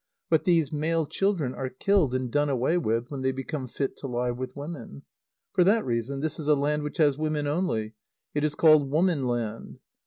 But these male children are killed and done away with when they become fit to lie with women. For that reason, this is a land which has women only. It is called woman land.